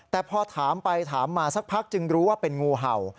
แต่พอถามไปถามมาสักพักจึงรู้ว่าเป็นงูเห่า